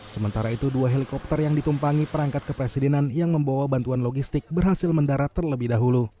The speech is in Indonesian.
sementara itu dua helikopter yang ditumpangi perangkat kepresidenan yang membawa bantuan logistik berhasil mendarat terlebih dahulu